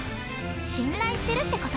信頼してるってことよ。